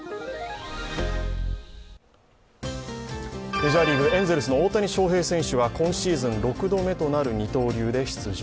メジャーリーグ、エンゼルスの大谷選手は今シーズン６度目となる出場。